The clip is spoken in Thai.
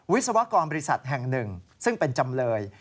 วิศวกรบริษัทแห่งหนึ่งซึ่งเป็นจำเลย